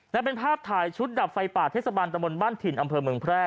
นั่นเป็นภาพถ่ายชุดดับไฟป่าเทศบาลตะบนบ้านถิ่นอำเภอเมืองแพร่